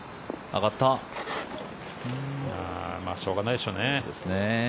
しょうがないでしょうね。